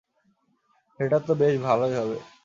সেটা তো বেশ ভালোই হবে!